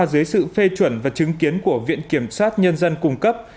dưới sự phê chuẩn và chứng kiến của viện kiểm sát nhân dân cung cấp